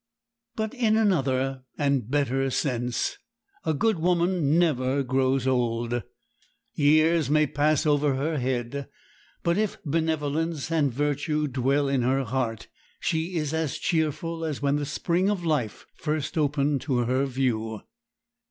But in another and better sense a good woman never grows old. Years may pass over her head, but if benevolence and virtue dwell in her heart she is as cheerful as when the spring of life first opened to her view.